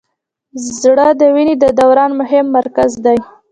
زړه د وینې د دوران مهم مرکز دی.